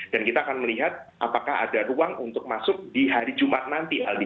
dan kita akan melihat apakah ada ruang untuk masuk di hari jumat nanti aldi